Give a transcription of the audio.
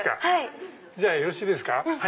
じゃあよろしいですか。